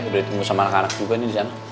udah ditunggu sama anak anak juga nih di sana